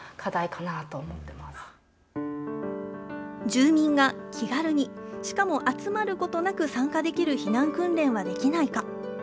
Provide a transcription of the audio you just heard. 住民が気軽に、しかも集まることなく参加できる避難訓練はできないか。